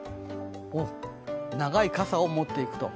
長い傘を持っていくと。